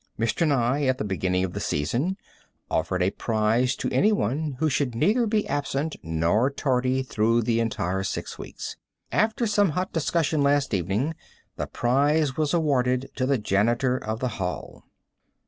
Mr. Nye, at the beginning of the season, offered a prize to anyone who should neither be absent nor tardy through the entire six weeks. After some hot discussion last evening, the prize was awarded to the janitor of the hall.